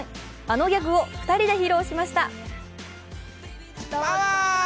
あのギャグを２人で披露しました。